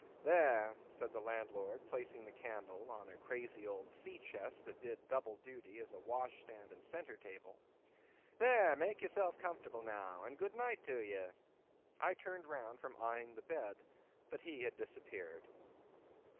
"There," said the landlord, placing the candle on a crazy old sea chest that did double duty as a wash stand and centre table; "there, make yourself comfortable now, and good night to ye." I turned round from eyeing the bed, but he had disappeared.